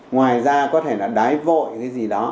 ngoài ra có thể là đái vội cái gì đó